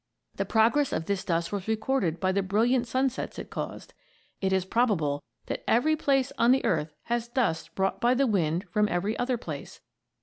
The progress of this dust was recorded by the brilliant sunsets it caused. It is probable that every place on the earth has dust brought by the wind from every other place.